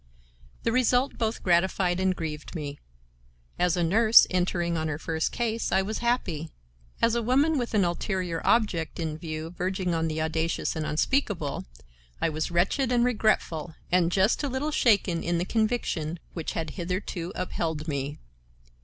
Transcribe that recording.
The result both gratified and grieved me. As a nurse entering on her first case I was happy; as a woman with an ulterior object in view verging on the audacious and unspeakable, I was wretched and regretful and just a little shaken in the conviction which had hitherto upheld me.